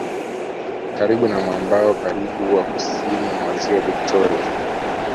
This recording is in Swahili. Karibu na mwambao karibu wa kusini mwa Ziwa Vivtoria